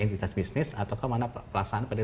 entitas bisnis atau ke mana pelaksanaan